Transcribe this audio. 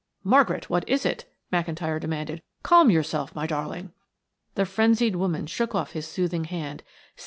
"Margaret! What is it?" McIntyre demanded. "Calm yourself, my darling." The frenzied woman shook off his soothing hand.